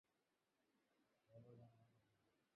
চলো, জানেমান।